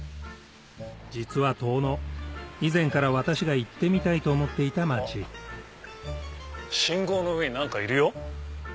実は遠野以前から私が行ってみたいと思っていた町信号の上に何かいるよ。